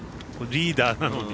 リーダーなのに。